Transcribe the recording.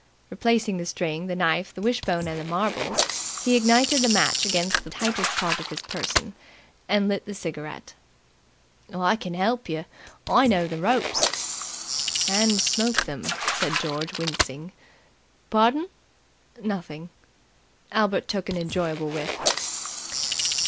Replacing the string, the knife, the wishbone and the marbles, he ignited the match against the tightest part of his person and lit the cigarette. "I can help yer. I know the ropes." "And smoke them," said George, wincing. "Pardon?" "Nothing." Albert took an enjoyable whiff.